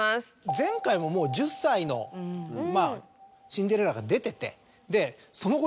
前回ももう１０歳のシンデレラが出てて。